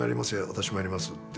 「私もやります」って。